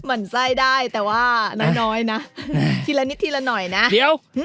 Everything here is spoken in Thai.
มันไส้ได้แต่ว่าน้อยนะทีละนิดทีละหน่อยนะเดี๋ยว